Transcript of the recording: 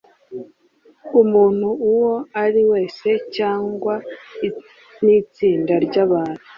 umuntu uwo ari wese cyangwa nitsinda ryabantu